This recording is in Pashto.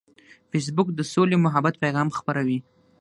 فېسبوک د سولې او محبت پیغام خپروي